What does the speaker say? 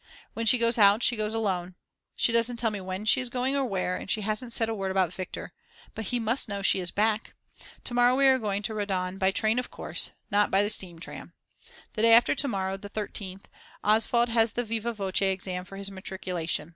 When she goes out she goes alone. She doesn't tell me when she is going or where, and she hasn't said a word about Viktor. But he must know that she is back. To morrow we are going to Rodaun, by train of course, not by the steam tram. The day after to morrow, the 13th, Oswald has the viva voce exam for his matriculation.